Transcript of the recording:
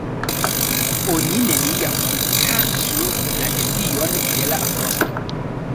Oni neniam subtaksu la defion de la frosto!